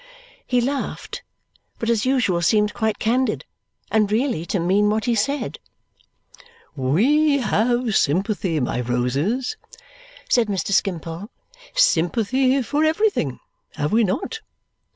He laughed, but as usual seemed quite candid and really to mean what he said. "We have sympathy, my roses," said Mr. Skimpole, "sympathy for everything. Have we not?"